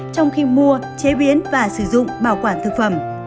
trong khi mua chế biến và sử dụng bảo quản thực phẩm